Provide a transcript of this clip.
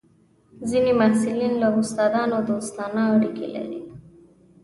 ځینې محصلین له استادانو دوستانه اړیکې لري.